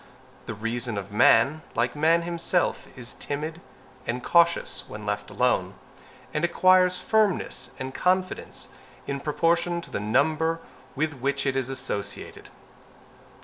The reason of man, like man himself, is timid and cautious when left alone, and acquires firmness and confidence in proportion to the number with which it is associated.